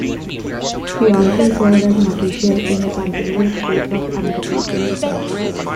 He also served as an official in the Confederate States of America.